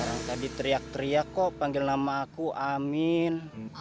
orang tadi teriak teriak kok panggil nama aku amin